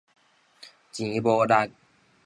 錢無力